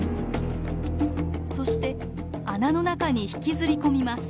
そして穴の中に引きずり込みます。